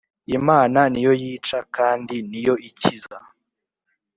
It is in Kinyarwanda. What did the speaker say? imana niyo yica kandi niyo ikiza